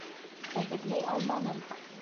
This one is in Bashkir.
Әҙерләй алманым!